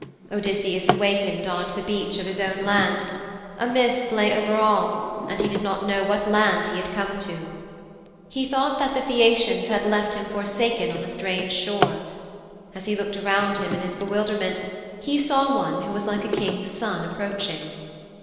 Odysseus awakened on the beach of his own land. A mist lay over all, and he did not know what land he had come to. He thought that the Phæacians had left him forsaken on a strange shore. As he looked around him in his bewilderment he saw one who was like a King's son approaching.